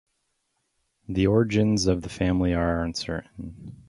The origins of the family are uncertain.